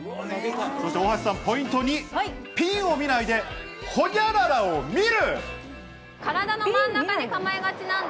そして大橋さん、ポイント２、ピンを見ないでホニャララを見る。